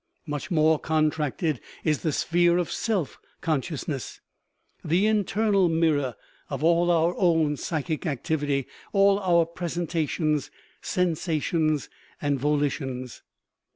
Much more contracted is the sphere of self consciousness, the internal mirror of all our own psychic activity, all our presentations, sensations, and volitions.